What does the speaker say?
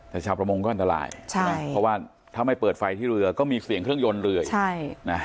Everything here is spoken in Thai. แต่ชาวประมงก็อันตรายใช่เพราะว่าถ้าไม่เปิดไฟที่เรือก็มีเสียงเครื่องยนต์เรืออีกใช่นะ